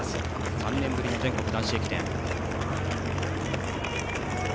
３年ぶりの全国男子駅伝です。